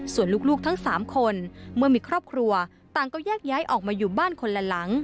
ส่วนลูกทั้ง๓คนเมื่อมีครอบครัวต่างก็แยกย้ายออกมาอยู่บ้านคนละหลัง